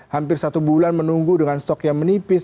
hampir satu bulan menunggu dengan stok yang menipis